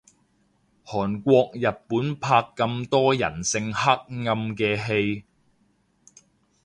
韓國日本拍咁多人性黑暗嘅戲